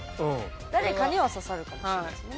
誰かには刺さるかもしれないですね。